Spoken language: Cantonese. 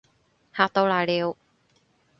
嚇到瀨尿